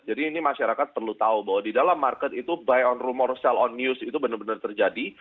jadi ini masyarakat perlu tahu bahwa di dalam market itu buy on rumor sell on news itu benar benar terjadi